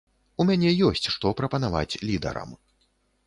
У мяне ёсць што прапанаваць лідарам.